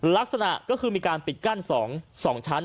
ลักษณะก็คือมีการปิดกั้น๒ชั้น